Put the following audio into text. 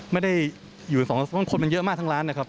ไม่ได้อยู่สองคนมันเยอะมากทั้งร้านนะครับ